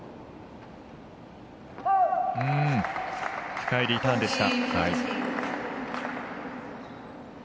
深いリターンでした。